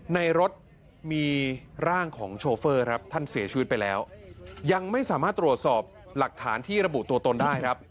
ในรถมีร่างของโชเฟอร์ครับท่านเสียชีวิตไปแล้วยังไม่สามารถตรวจสอบหลักฐานที่ระบุตัวตนได้ครับ